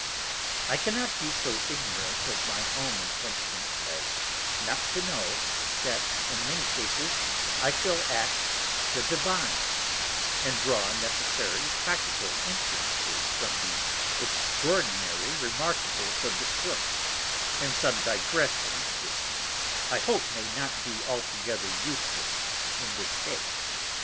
_ _I cannot be so ignorant of my own Intentions, as not to know, that in many Cases I shall act the Divine, and draw necessary practical Inferences from the extraordinary Remarkables of this Book, and some Digressions which I hope may not be altogether useless in this Case.